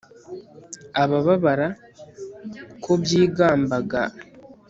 abababara, uko kubyimbagana gushobora